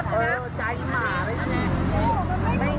ใช่จากไอ้หมาเลยจริง